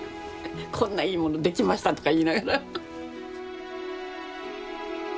こんないいもの出来ましたとか言いながら。